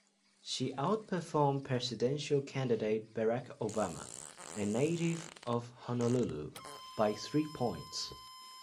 She outperformed presidential candidate Barack Obama, a native of Honolulu, by three points.